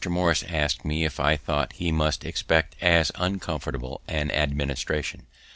Morris ask'd me if I thought he must expect as uncomfortable an administration.